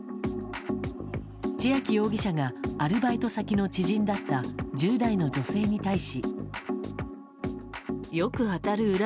千秋容疑者がアルバイト先の知人だった１０代の女性に対し。